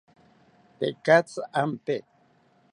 Tekatzi ampe